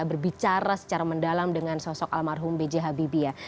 berbicara secara mendalam dengan sosok almarhum b j habibie ya